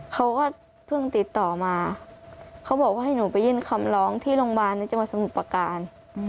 เขาก็เพิ่งติดต่อมาเขาบอกว่าให้หนูไปยื่นคำร้องที่โรงพยาบาลในจังหวัดสมุทรประการ